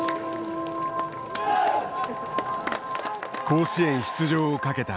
甲子園出場をかけた決勝。